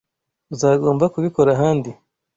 Uzagomba kubikora ahandi.